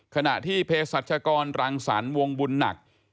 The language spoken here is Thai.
ขณะที่เพศรัชกรรังสรรค์วงบุญหนัก